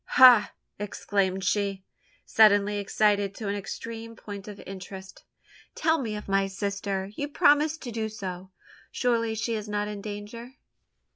"Ha!" exclaimed she, suddenly excited to an extreme point of interest, "tell me of my sister! You promised to do so? Surely she is not in danger?"